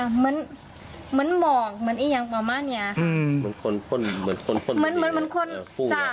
มันเหมาะเหมือนอีกอย่างประมาณเนี่ยค่ะ